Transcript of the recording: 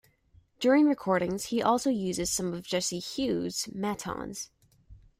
During recordings he also uses some of Jesse Hughes's Matons.